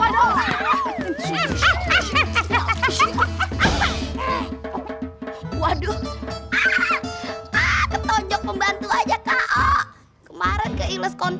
lu kalau mau bilang